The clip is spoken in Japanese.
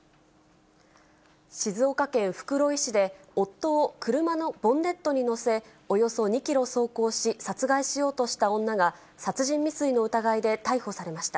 静岡県袋井市で、夫を車のボンネットに乗せ、およそ２キロ走行し殺害しようとした女が、殺人未遂の疑いで逮捕されました。